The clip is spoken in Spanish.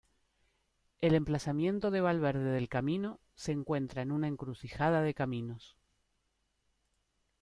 El emplazamiento de Valverde del Camino se encuentra en una encrucijada de caminos.